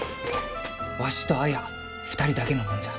わしと綾２人だけのもんじゃ。